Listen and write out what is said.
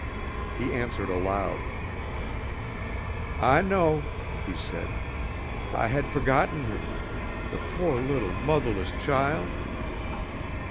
He answered aloud. "I know," he said. "I had forgotten him. The po' little mothahless chile!"